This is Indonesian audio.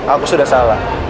aku sudah salah